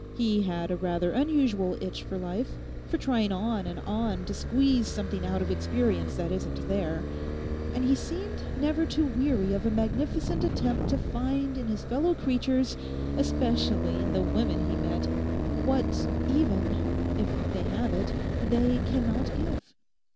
He had a rather unusual itch for life, for trying on and on to squeeze something out of experience that isn't there; and he seemed never to weary of a magnificent attempt to find in his fellow creatures, especially in the women he met, what even—if they have it—they cannot give.